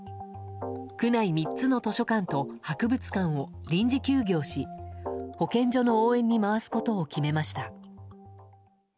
区内３つの図書館と博物館を臨時休業し保健所の応援に回すことを決めました。